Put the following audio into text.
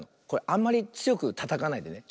あんまりつよくたたかないでね。